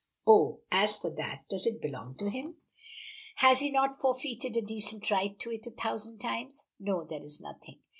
"Oh, as for that does it belong to him? Has he not forfeited a decent right to it a thousand times? No; there is nothing.